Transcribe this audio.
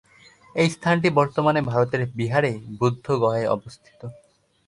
এই স্থানটি বর্তমানে ভারতের বিহারে বুদ্ধগয়ায় অবস্থিত।